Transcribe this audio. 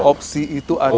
opsi itu ada